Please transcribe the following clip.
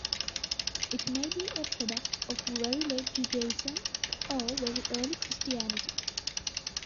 It may be a product of very late Judaism or very early Christianity.